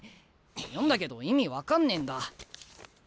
読んだけど意味分かんねえんだ。